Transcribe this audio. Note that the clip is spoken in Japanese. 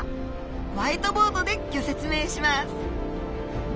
ホワイトボードでギョ説明します！